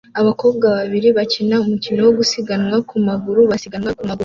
Abakobwa babiri bakina umukino wo gusiganwa ku maguru basiganwa ku maguru